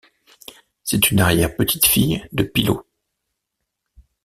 C'est une arrière petite-fille de Pilot.